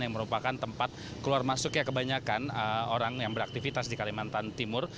yang merupakan tempat keluar masuknya kebanyakan orang yang beraktivitas di kalimantan timur